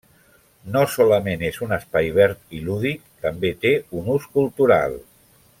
No solament és un espai verd i lúdic, també té un ús cultural.